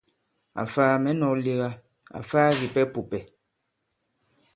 Àfaa mɛ̌ nɔ̄k lega, àfaa kìpɛ pùpɛ̀.